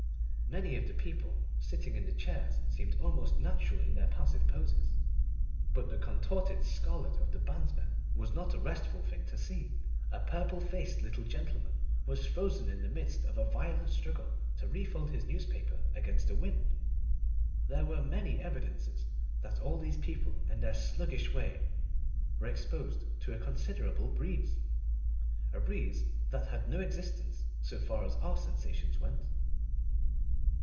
Many of the people sitting in the chairs seemed almost natural in their passive poses, but the contorted scarlet of the bandsmen was not a restful thing to see. A purple faced little gentleman was frozen in the midst of a violent struggle to refold his newspaper against the wind; there were many evidences that all these people in their sluggish way were exposed to a considerable breeze, a breeze that had no existence so far as our sensations went.